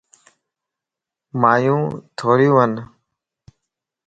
مانيون ٿوريون ون.